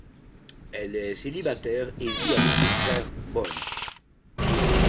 Elle est célibataire et vit avec son frère Bon.